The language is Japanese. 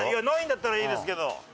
ないんだったらいいですけど。